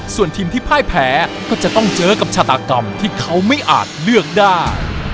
ส่วนทีมที่พ่ายแพ้ก็จะต้องเจอกับชาตากรรมที่เขาไม่อาจเลือกได้